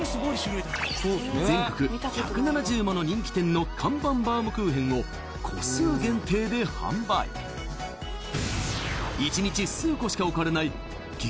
全国１７０もの人気店の看板バウムクーヘンを個数限定で販売１日数個しか置かれない激